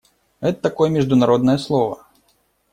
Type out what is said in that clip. Это такое международное слово.